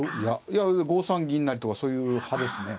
いや５三銀成とかそういう派ですね